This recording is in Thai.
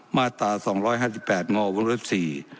มาตรา๒๕๘งวสี่